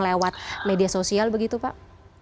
lewat media sosial begitu pak